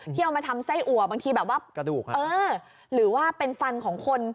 ที่เอามาทำไส้อัวบางทีแบบว่าอืมหรือว่าเป็นฟันของคน